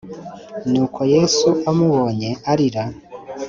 Nuko Yesu amubonye arira